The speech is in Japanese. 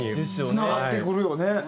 つながってくるよね。